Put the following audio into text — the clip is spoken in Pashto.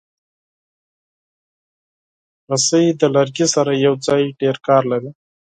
رسۍ د لرګي سره یوځای ډېر کار لري.